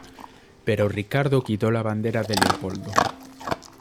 Pero Ricardo quitó la bandera de Leopoldo.